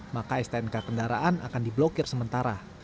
maka stnk kendaraan akan diblokir sementara